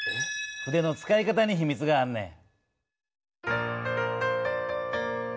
筆の使い方にひみつがあんねん。